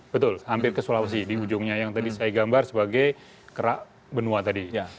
betul hampir ke sulawesi di ujungnya yang tadi saya gambar sebagai kerak benua tadi